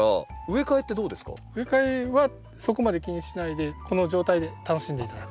植え替えはそこまで気にしないでこの状態で楽しんで頂く。